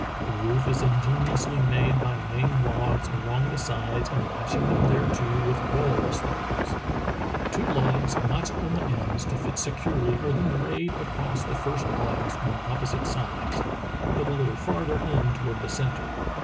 The roof is ingeniously made by laying logs along the sides and lashing them thereto with walrus thongs. Two logs notched on the ends to fit securely are then laid across the first logs on opposite sides, but a little farther in toward the centre.